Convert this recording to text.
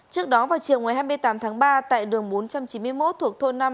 trước đó vào chiều ngày hai mươi tám tháng ba tại đường bốn trăm chín mươi một thuộc thôn năm